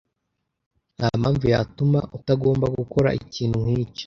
Ntampamvu yatuma utagomba gukora ikintu nkicyo.